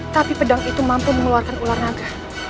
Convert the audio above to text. tapi pedang itu mampu mengeluarkan ular naga